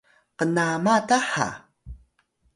knama ta ha